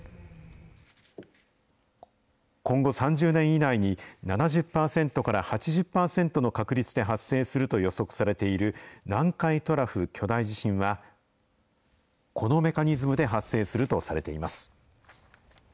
今後３０年以内に７０％から８０％の確率で発生すると予測されている、南海トラフ巨大地震は、このメカニズムで発生するとされています。